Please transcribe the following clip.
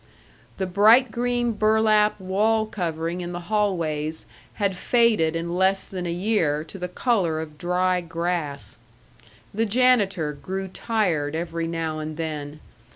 The bright green burlap wall covering in the hallways had faded in less than a year to the color of dry grass. The janitor grew tired every now and then.